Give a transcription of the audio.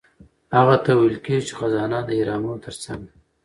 هغه ته ویل کیږي چې خزانه د اهرامونو ترڅنګ ده.